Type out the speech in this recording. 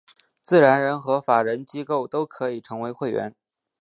自然人和法人机构都可以成为会员。